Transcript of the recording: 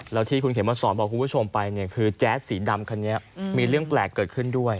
แล้วที่คุณเข็มมาสอนบอกคุณผู้ชมไปเนี่ยคือแจ๊สสีดำคันนี้มีเรื่องแปลกเกิดขึ้นด้วย